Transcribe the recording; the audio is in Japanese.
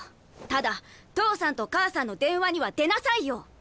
ただ父さんと母さんの電話には出なさいよ！